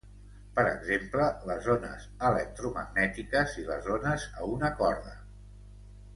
Per exemple, les ones electromagnètiques i les ones a una corda.